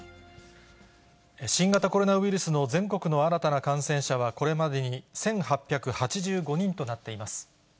新型コロナウイルスの全国の新たな感染者は、これまでに１８８５人となっています。